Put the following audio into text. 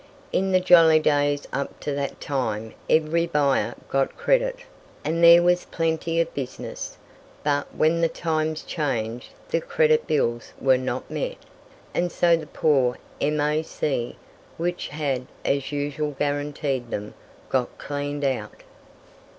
In the jolly days up to that time every buyer got credit, and there was plenty of business; but when the times changed the credit bills were not met, and so the poor M.A.C., which had as usual guaranteed them, got cleaned out.